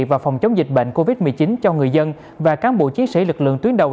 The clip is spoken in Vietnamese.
và phòng chống dịch bệnh covid một mươi chín cho người dân và cán bộ chiến sĩ lực lượng tuyến đầu